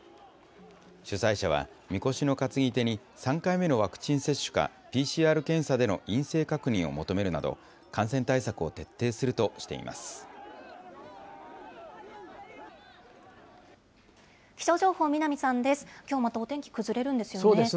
主催者はみこしの担ぎ手に３回目のワクチン接種かＰＣＲ検査での陰性確認を求めるなど、感染対策を徹底するとしています。